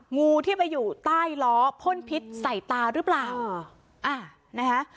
งูที่ไปอยู่ใต้ล้อพ่นพิษใส่ตาหรือเปล่าอ่านะคะ